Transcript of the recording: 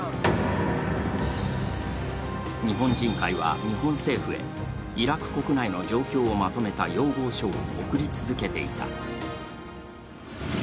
日本人会は日本政府へイラク国内の状況をまとめた要望書を送り続けていた。